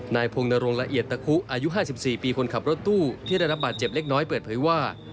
พงนรงละเอียดตะคุอายุ๕๔ปีคนขับรถตู้ที่ได้รับบาดเจ็บเล็กน้อยเปิดเผยว่า